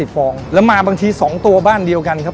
ฟองแล้วมาบางที๒ตัวบ้านเดียวกันครับ